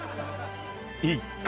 一回